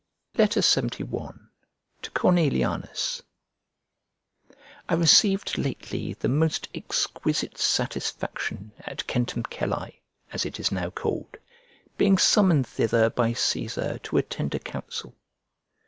LXXI To CORNELIANUS I RECEIVED lately the most exquisite satisfaction at Centumcellae (as it is now called), being summoned thither by Cæsar to attend a council.